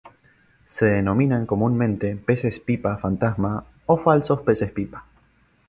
Se denominan comúnmente peces pipa fantasma o falsos peces pipa.